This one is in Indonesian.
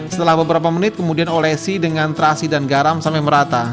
setelah beberapa menit kemudian olesi dengan terasi dan garam sampai merata